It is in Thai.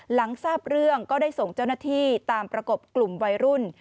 หลังทราบเรื่องก็ได้ส่งเจ้าหน้าที่ตามประกบกลุ่มวัยรุ่น